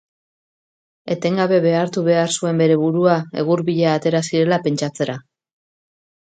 Etengabe behartu behar zuen bere burua egur bila atera zirela pentsatzera.